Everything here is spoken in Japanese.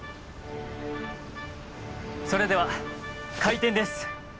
それでは開店です。